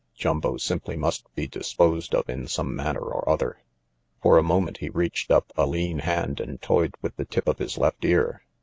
Jumbo simply must be disposed of in some manner or other. For a moment he reached up a lean hand and toyed with the tip of his left ear.